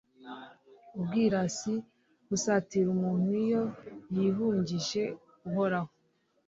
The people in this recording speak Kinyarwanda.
ubwirasi busatira umuntu iyo yihungije uhoraho